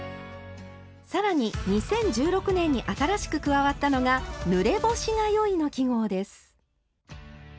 更に２０１６年に新しく加わったのが「ぬれ干しがよい」の記号です。